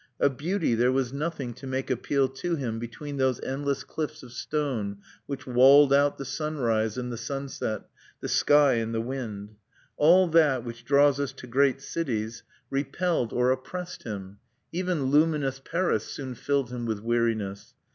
Of beauty there was nothing to make appeal to him between those endless cliffs of stone which walled out the sunrise and the sunset, the sky and the wind. All that which draws us to great cities repelled or oppressed him; even luminous Paris soon filled him with weariness.